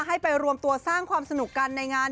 ให้ไปรวมตัวสร้างความสนุกกันในงาน